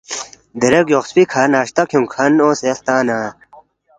دیرے گیوخسپی کھہ ناشتہ کھیونگ کھن اونگسے ہلتا نہ،